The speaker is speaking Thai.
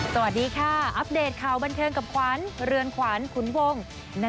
สวัสดีค่ะอัปเดตข่าวบันเทิงกับขวัญเรือนขวัญขุนวง